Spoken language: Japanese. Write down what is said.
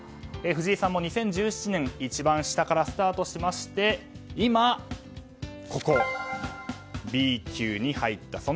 藤井さんも２０１７年一番下からスタートしまして今、Ｂ級に入った。